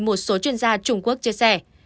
một số chuyên gia trung quốc chia sẻ